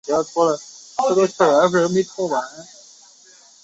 父亲陈贞。